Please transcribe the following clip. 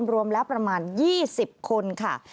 รวมแล้วประมาณ๒๐คนค่ะ